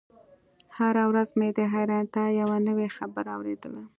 هره ورځ مې د حيرانتيا يوه نوې خبره اورېدله.